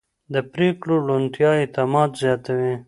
د پرېکړو روڼتیا اعتماد زیاتوي